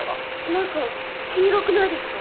何か黄色くないですか？